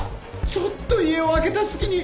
ちょっと家を空けた隙に。